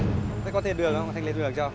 thế có thêm đường không anh lấy đường cho